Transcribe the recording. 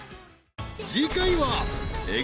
［次回は］